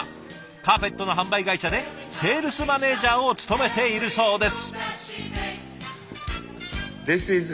カーペットの販売会社でセールスマネージャーを務めているそうです。